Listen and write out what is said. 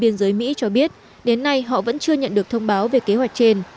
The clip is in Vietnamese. biên giới mỹ cho biết đến nay họ vẫn chưa nhận được thông báo về kế hoạch trên